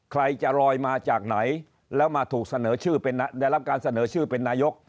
ใครจะลอยมาจากไหนแล้วมาถูกเสนอชื่อเป็นนายก